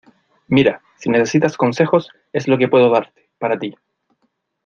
mira, si necesitas consejos , es lo que puedo darte , para ti.